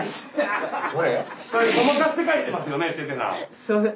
すいません